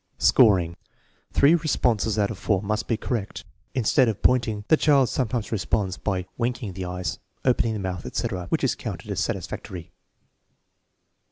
Scoring. Three responses out of four must be correct. Instead of pointing, the child sometimes responds by winking the eyes, opening the mouth, etc., which is counted as satisfactory.